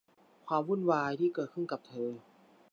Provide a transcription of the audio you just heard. ความวุ่นวายที่เกิดขึ้นกับเธอ